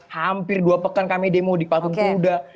hampir dua pekan kami demo di patung kuda